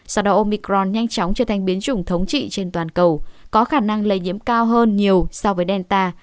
sau đó omicron nhanh chóng trở thành biến chủng thống trị trên toàn cầu có khả năng lây nhiễm cao hơn nhiều so với delta